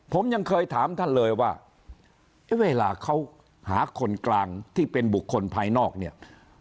ผมยังเคยถามท่านเลยว่าเวลาเขาหาคนกลางที่เป็นบุคคลภายนอกเนี่ย